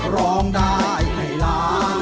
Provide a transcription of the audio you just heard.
ร้องได้ให้ล้าน